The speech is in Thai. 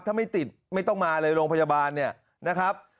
ถ้าไม่ติดไม่ต้องมาเลยโรงพยาบาลเนี่ยนะครับ